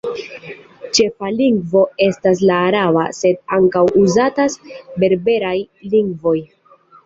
Ĉefa lingvo estas la araba, sed ankaŭ uzatas berberaj lingvoj.